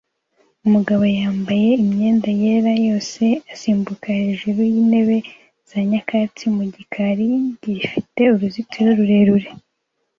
Umugabo wambaye imyenda yera yose asimbuka hejuru yintebe za nyakatsi mu gikari gifite uruzitiro rurerure